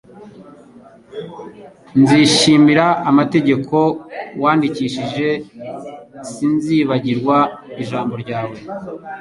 Nzishimira amategeko wandikishije, sinzibagirwa ijambo ryawe.»